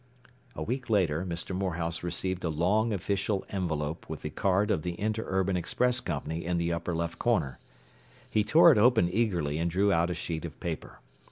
” A week later Mr. Morehouse received a long official envelope with the card of the Interurban Express Company in the upper left corner. He tore it open eagerly and drew out a sheet of paper.